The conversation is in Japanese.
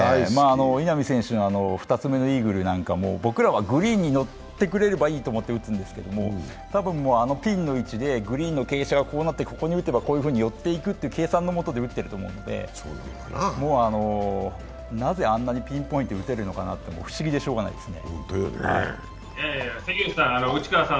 稲見選手の２つ目のイーグルなんかも僕らはグリーンにのってくれればいいと思って打つんですけど多分、あのピンの位置でグリーンの傾斜がこうなってここに打てばこう寄っていくという計算のもとに打ってると思うのでなぜ、あんなにピンポイントで打てるのかなというのは、不思議でしようがないですね。